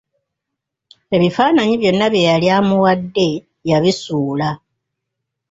Ebifaananyi byonna bye yali amuwadde yabisuula.